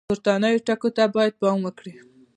پورتنیو ټکو ته باید پام وکړو.